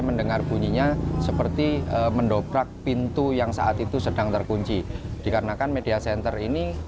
mendengar bunyinya seperti mendobrak pintu yang saat itu sedang terkunci dikarenakan media center ini